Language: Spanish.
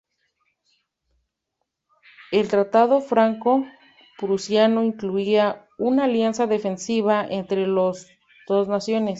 El tratado franco-prusiano incluía una alianza defensiva entre las dos naciones.